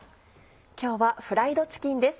今日は「フライドチキン」です。